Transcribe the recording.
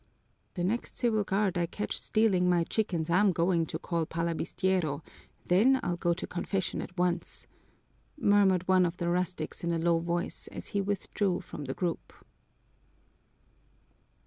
"The next civil guard I catch stealing my chickens I'm going to call palabistiero, then I'll go to confession at once," murmured one of the rustics in a low voice as he withdrew from the group.